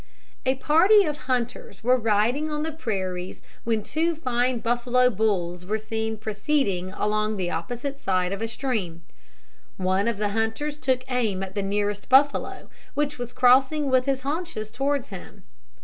A party of hunters were riding on the prairies, when two fine buffalo bulls were seen proceeding along the opposite side of a stream. One of the hunters took aim at the nearest buffalo, which was crossing with his haunches towards him.